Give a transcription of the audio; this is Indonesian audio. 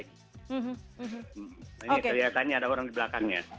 ini kelihatannya ada orang di belakangnya